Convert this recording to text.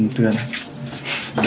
giúp cho tầm ẩm mạnh